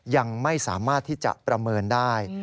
ยังไม่สามารถที่จะประเมินได้